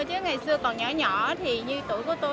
chứ ngày xưa còn nhỏ nhỏ thì như tuổi của tôi